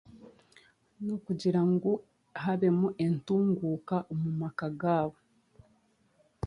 Ni okugira ngu habemu entunguuka omu maka gaabo